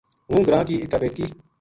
ہوں گراں کی اِکا بیٹکی